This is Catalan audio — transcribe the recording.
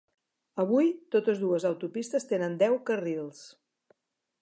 Avui, totes dues autopistes tenen deu carrils.